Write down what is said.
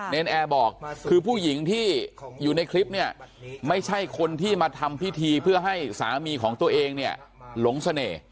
นแอร์บอกคือผู้หญิงที่อยู่ในคลิปเนี่ยไม่ใช่คนที่มาทำพิธีเพื่อให้สามีของตัวเองเนี่ยหลงเสน่ห์